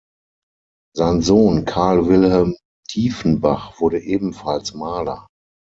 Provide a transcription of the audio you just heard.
Sein Sohn Karl Wilhelm Diefenbach wurde ebenfalls Maler.